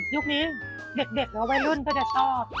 ยุคนี้เด็กแล้วไว้รุ่นก็จะตอบ